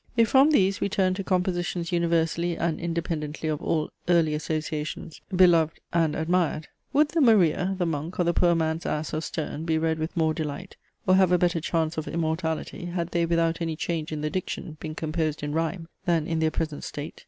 If from these we turn to compositions universally, and independently of all early associations, beloved and admired; would the MARIA, THE MONK, or THE POOR MAN'S ASS of Sterne, be read with more delight, or have a better chance of immortality, had they without any change in the diction been composed in rhyme, than in their present state?